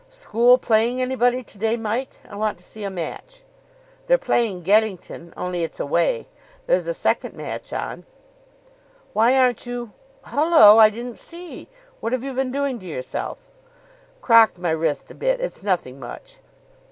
"School playing anybody to day, Mike? I want to see a match." "They're playing Geddington. Only it's away. There's a second match on." "Why aren't you Hullo, I didn't see. What have you been doing to yourself?" "Crocked my wrist a bit. It's nothing much."